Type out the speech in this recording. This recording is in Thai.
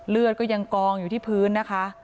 เลือดก็ยังกองอยู่ที่พื้นนะคะ